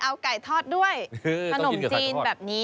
เอาไก่ทอดด้วยขนมจีนแบบนี้